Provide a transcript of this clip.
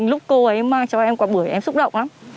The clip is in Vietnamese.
lúc cô ấy mang cho em quà bưởi em xúc động lắm